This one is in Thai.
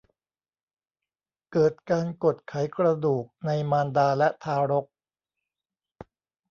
เกิดการกดไขกระดูกในมารดาและทารก